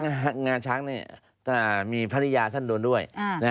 คือคดีที่งาช้างก็มีภรรยาท่านโดนด้วย